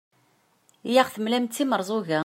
i aɣ-temlam d timerẓuga